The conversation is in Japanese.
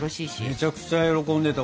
めちゃめちゃ喜んでた。